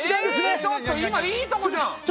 ええちょっと今いいとこじゃん！